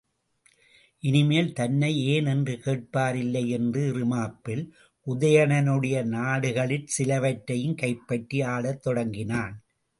இனிமேல் தன்னை ஏன் என்று கேட்பாரில்லை என்ற இறுமாப்பில் உதயணனுடைய நாடுகளிற் சிலவற்றையும் கைப்பற்றி ஆளத் தொடங்கினான்.